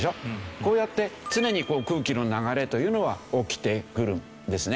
こうやって常に空気の流れというのは起きてくるんですね。